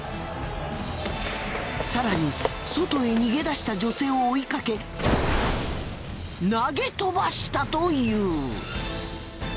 更に外へ逃げ出した女性を追いかけ投げ飛ばしたという。